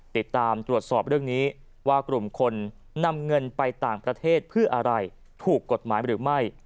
ติดตามตรวจสอบเรื่องนี้ว่ากลุ่มคนนำเงินไปต่างประเทศเพื่ออะไรถูกกฎหมายหรือไม่